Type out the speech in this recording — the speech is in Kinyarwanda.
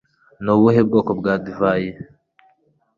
Ni ubuhe bwoko bwa divayi?